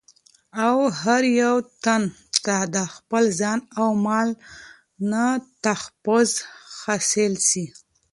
او هر يو تن ته دخپل ځان او مال نه تحفظ حاصل سي